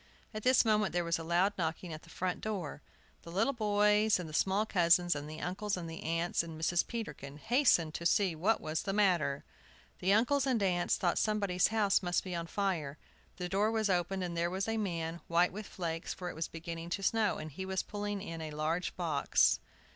At this moment there was a loud knocking at the front door. The little boys, and the small cousins, and the uncles and aunts, and Mrs. Peterkin, hastened to see what was the matter. The uncles and aunts thought somebody's house must be on fire. The door was opened, and there was a man, white with flakes, for it was beginning to snow, and he was pulling in a large box.